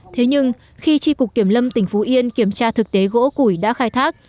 thế nhưng khi tri cục kiểm lâm tỉnh phú yên kiểm tra thực tế gỗ củi đã khai thác